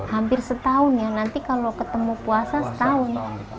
hampir setahun ya nanti kalau ketemu puasa setahun